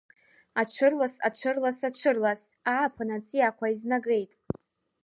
Аҽырлас, аҽырлас, аҽырлас, ааԥын аҵиаақәа еизнагеит.